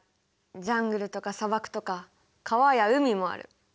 ジャングルとか砂漠とか川や海もある。